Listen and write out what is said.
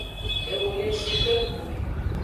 Eho le ngshi gbe go.